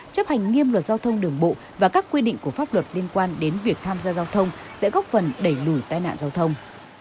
chấp hành nghiêm luật giao thông đường bộ và các quy định của pháp luật liên quan đến việc tham gia giao thông sẽ góp phần đẩy lùi tai nạn giao thông